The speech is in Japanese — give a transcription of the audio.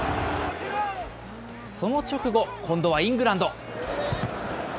その直後、今度はイングランド。